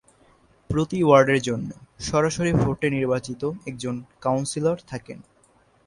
প্রতি ওয়ার্ডের জন্য সরাসরি ভোটে নির্বাচিত একজন কাউন্সিলর থাকেন।